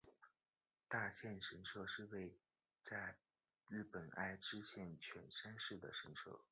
大县神社是位在日本爱知县犬山市的神社。